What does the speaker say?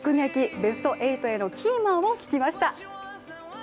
ベスト８へのキーマンを聞きました。